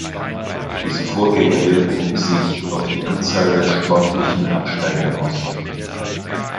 Diese Vorgänge wirken sich auf die Anzahl der sportlichen Absteiger aus.